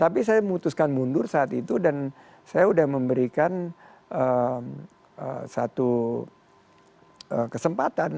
tapi saya memutuskan mundur saat itu dan saya sudah memberikan satu kesempatan